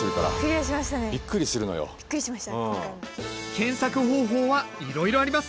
検索方法はいろいろあります。